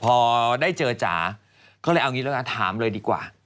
พอได้เจอจ๋าก็เลยเอางี้แล้วกันถามเลยดีกว่า